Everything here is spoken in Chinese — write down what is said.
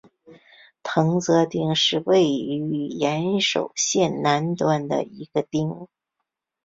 藤泽町是位于岩手县南端的一町。